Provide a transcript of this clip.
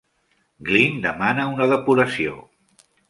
Glynn demana una depuració.